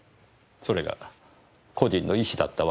それが故人の遺志だったわけですね？